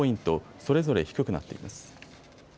それぞれ低くなっています。